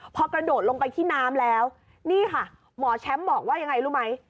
พอกระโดดลงไปที่น้ำแล้วนี่ค่ะหมอแชมป์บอกว่ายังไงรู้ไหม